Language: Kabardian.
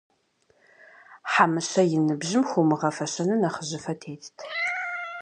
Хьэмыщэ и ныбжьым хуумыгъэфэщэну нэхъыжьыфэ тетт.